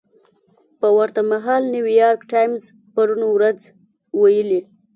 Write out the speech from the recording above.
په ورته مهال نیویارک ټایمز پرون ورځ ویلي